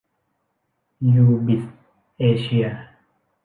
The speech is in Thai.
ยูบิส เอเชีย